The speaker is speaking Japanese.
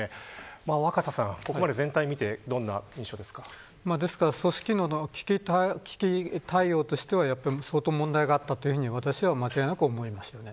若狭さん、ここまで組織の危機対応としては相当問題があったと私は間違いなく思いました。